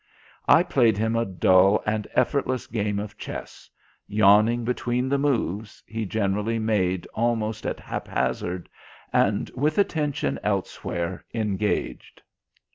I played him a dull and effortless game of chess, yawning between the moves he generally made almost at haphazard, and with attention elsewhere engaged.